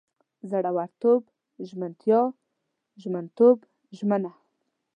زړورتوب، ژمنتیا، ژمنتوب، ژمنه